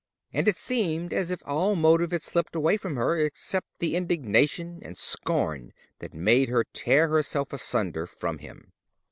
And it seemed as if all motive had slipped away from her, except the indignation and scorn that made her tear herself asunder from him.